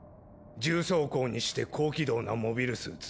重装甲にして高機動なモビルスーツ。